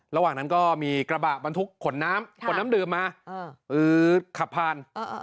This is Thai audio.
ระหว่างนั้นก็มีกระบะบรรทุกขนน้ำขนน้ำดื่มมาขับผ่าน